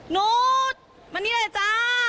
โน้ตมานี่เลยจ๊ะ